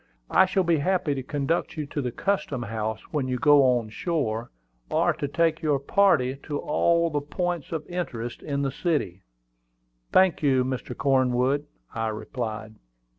"I shall be happy to conduct you to the custom house when you go on shore, or to take your party to all the points of interest in the city." "Thank you, Mr. Cornwood," I replied.